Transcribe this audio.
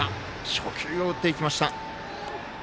初球を打っていきました。